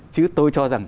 chứ tôi cho rằng